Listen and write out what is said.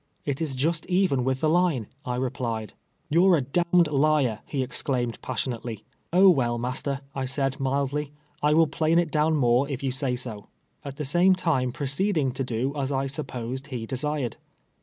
"It is just even with the line,' I reidied. " You're a d — d liar," he exclaimed jjassionately. " Oh, well, master," I said, mildly, " I will plane it down more if you say so," at the same time proceed ing to do as I su}i}>osed he desired.